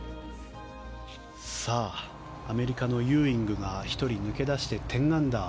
アメリカのユーイングが１人抜け出して１０アンダー。